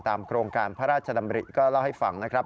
โครงการพระราชดำริก็เล่าให้ฟังนะครับ